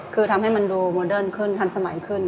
คือทำให้มันดูโมเดิร์นขึ้นทันสมัยขึ้น